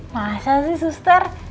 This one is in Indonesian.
masa sih suster